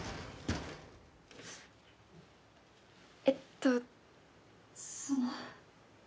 えっとその。